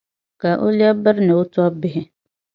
Ka o lԑbi biri ni o tobbihi.